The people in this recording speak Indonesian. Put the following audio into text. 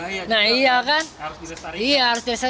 ini jadi budaya juga harus direstorin